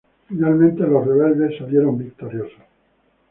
Finalmente, los rebeldes salieron victoriosos.